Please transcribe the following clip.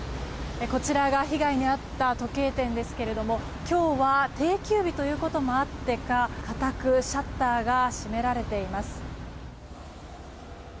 こちらが被害に遭った時計店ですが今日は定休日ということもあってか固くシャッターが閉められています。